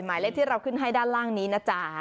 หมายเลขที่เราขึ้นให้ด้านล่างนี้นะจ๊ะ